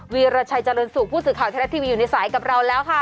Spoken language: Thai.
วีรชัยเจริญสุขผู้สื่อข่าวไทยรัฐทีวีอยู่ในสายกับเราแล้วค่ะ